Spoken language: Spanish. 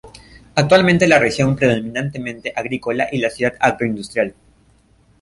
Actualmente la región predominantemente agrícola y la ciudad agroindustrial.